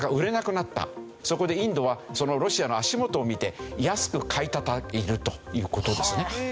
そこでインドはそのロシアの足元を見て安く買いたたいているという事ですね。